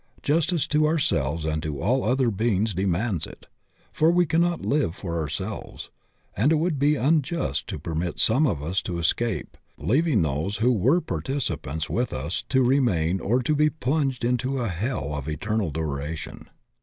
Justice to ourselves and to all other beings demands it, for we cannot Uve for ourselves, and it would be imjust to permit some of us to escape, leav ing those who were participants with us to remain or to be plunged into a hell of eternal duration.